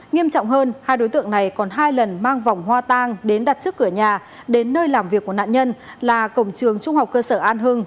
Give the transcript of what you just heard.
nghiêm trọng hơn hai đối tượng này còn hai lần mang vòng hoa tang đến đặt trước cửa nhà đến nơi làm việc của nạn nhân là cổng trường trung học cơ sở an hưng